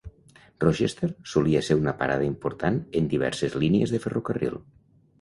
Rochester solia ser una parada important en diverses línies de ferrocarril.